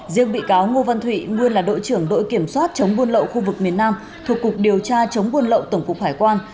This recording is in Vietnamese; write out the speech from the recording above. riêng bị cáo ngô văn thụy nguyên là đội trưởng đội kiểm soát chống buôn lậu khu vực miền nam thuộc cục điều tra chống buôn lậu tổng cục hải quan